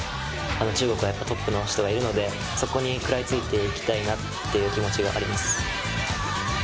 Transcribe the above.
中国にトップの人がいるので、そこに食らいついていきたいなという気持ちでいます。